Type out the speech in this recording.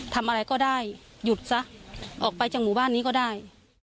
ทำอะไรก็ได้หยุดซะออกไปจากหมู่บ้านนี้ก็ได้